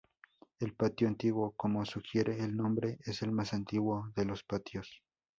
El Patio Antiguo, como sugiere el nombre, es el más antiguo de los patios.